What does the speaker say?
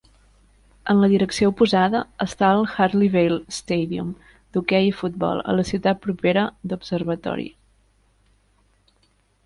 En la direcció oposada està el Hartleyvale Stadium, d'hoquei i futbol, a la ciutat propera d'Observatory.